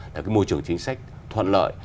là môi trường chính sách thuận lợi